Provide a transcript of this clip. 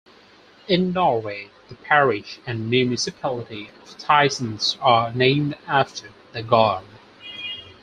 In Norway the parish and municipality of Tysnes are named after the god.